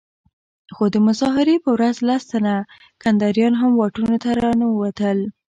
خو د مظاهرې په ورځ لس تنه کنداريان هم واټونو ته راونه وتل.